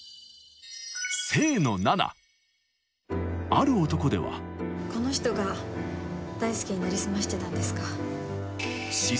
『ある男』ではこの人が大祐に成り済ましてたんですか？